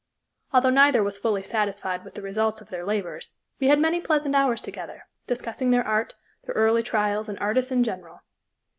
Although neither was fully satisfied with the results of their labors, we had many pleasant hours together, discussing their art, their early trials, and artists in general.